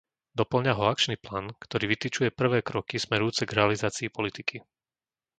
Dopĺňa ho akčný plán, ktorý vytyčuje prvé kroky smerujúce k realizácii politiky.